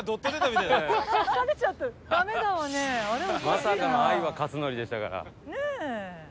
まさかの「愛はカツノリ」でしたから。